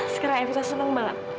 sekarang evita senang banget